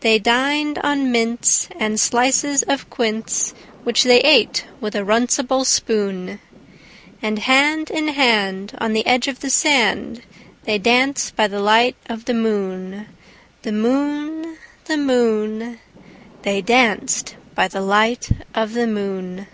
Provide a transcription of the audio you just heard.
They dined on mince and slices of quince, Which they ate with a runcible spoon; And hand in hand, on the edge of the sand, They danced by the light of the moon, The moon, The moon, They danced by the light of the moon.